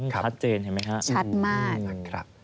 ครับชัดเจนเห็นไหมคะชัดมาก